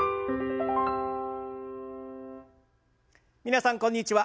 皆さんこんにちは。